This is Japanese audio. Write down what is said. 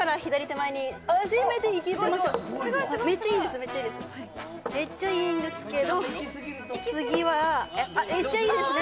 めっちゃいいんですけど次はめっちゃいいですね